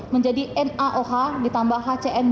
menjadi naoh ditambah h dua o pka menjadi naoh